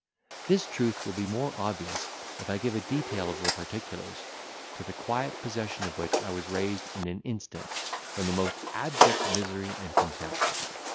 This truth will be more obvious, if I give a detail of the particulars, to the quiet possession of which I was raised in an instant, from the most abject misery and contempt.